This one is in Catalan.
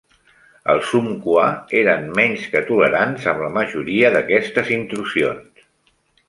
Els umpqua eren menys que tolerants amb la majoria d'aquestes intrusions.